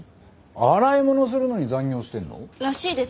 洗い物するのに残業してんの？らしいです。